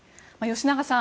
吉永さん